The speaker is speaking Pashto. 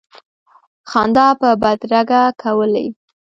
خندا به بدرګه کولې.